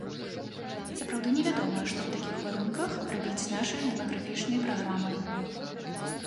Сапраўды не вядома, што ў такіх варунках рабіць з нашай дэмаграфічнай праграмай.